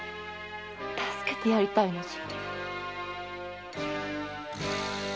助けてやりたいのじゃ。